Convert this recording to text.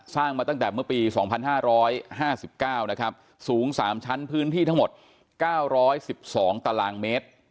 มาตั้งแต่เมื่อปี๒๕๕๙นะครับสูง๓ชั้นพื้นที่ทั้งหมด๙๑๒ตารางเมตร